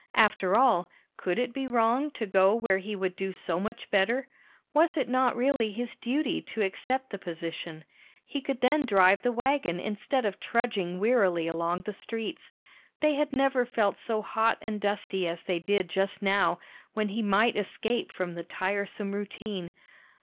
After all, could it be wrong to go where he would do so much better? Was it not really his duty to accept the position? He could then drive the wagon instead of trudging wearily along the streets. They had never felt so hot and dusty as they did just now, when he might escape from the tiresome routine.